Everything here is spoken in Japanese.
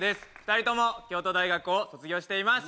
２人とも京都大学を卒業しています